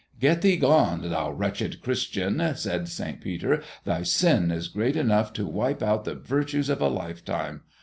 "Get thee gone, thou wretched Christian!" said Saint Peter; "thy sin is great enough to wipe out the virtues of a lifetime!